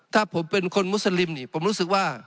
ถ้าผมเป็นคนมุสลิมนี่ผมรู้สึกว่า